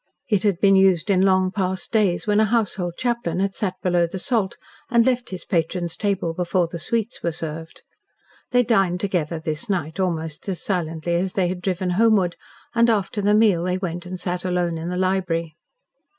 It had been used in long past days, when a household chaplain had sat below the salt and left his patron's table before the sweets were served. They dined together this night almost as silently as they had driven homeward, and after the meal they went and sat alone in the library.